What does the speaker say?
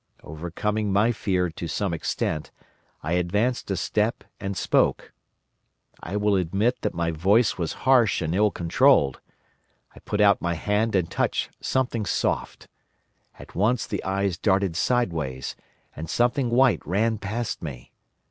Overcoming my fear to some extent, I advanced a step and spoke. I will admit that my voice was harsh and ill controlled. I put out my hand and touched something soft. At once the eyes darted sideways, and something white ran past me.